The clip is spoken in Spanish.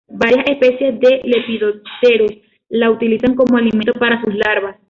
Varias especies de lepidópteros la utilizan como alimento para sus larvas.